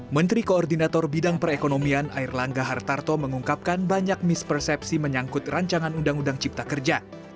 menteri koordinator bidang perekonomian air langga hartarto mengungkapkan banyak mispersepsi menyangkut rancangan undang undang cipta kerja